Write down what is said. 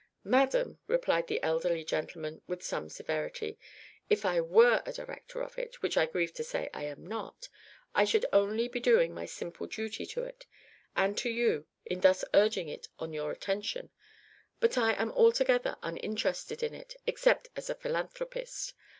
"Madam," replied the elderly gentleman with some severity, "if I were a director of it, which I grieve to say I am not, I should only be doing my simple duty to it and to you in thus urging it on your attention. But I am altogether uninterested in it, except as a philanthropist.